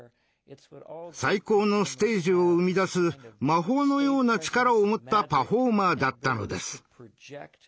最高のステージを生み出す魔法のような力を持ったパフォーマーだったのです。